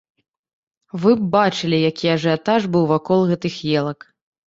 Вы б бачылі, які ажыятаж быў вакол гэтых елак!